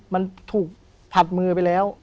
มันถูกผลัดมือไปแล้ว